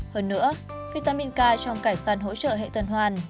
hơn nữa vitamin k trong cải xoăn hỗ trợ hệ tuần hoàn